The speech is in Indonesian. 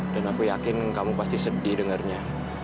dan aku yakin kamu pasti sedih dengernya